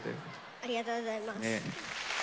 ありがとうございます。